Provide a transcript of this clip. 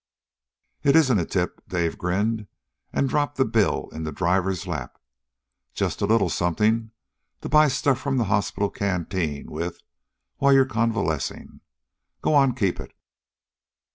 "It isn't a tip," Dave grinned, and dropped the bill in the driver's lap. "Just a little something to buy stuff from the hospital canteen with while you're convalescing. Go on; keep it."